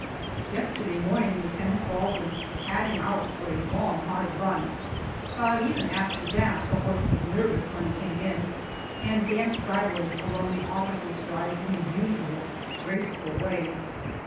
Yesterday morning Lieutenant Baldwin had him out for a long, hard run, but even after that the horse was nervous when he came in, and danced sideways along the officers' drive in his usual graceful way.